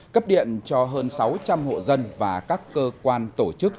cấp điện cho hơn sáu trăm linh hộ dân và các cơ quan tổ chức